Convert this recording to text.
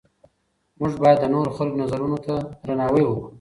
موږ باید د نورو خلکو نظرونو ته درناوی وکړو.